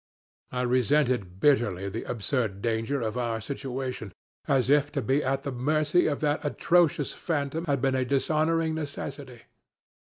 I resented bitterly the absurd danger of our situation, as if to be at the mercy of that atrocious phantom had been a dishonoring necessity.